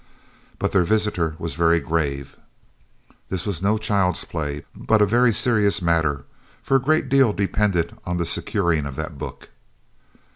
But their visitor was very grave. This was no child's play, but a very serious matter, for a great deal depended on the securing of that book.